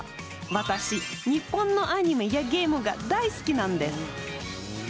私、日本のアニメやゲームが大好きなんです。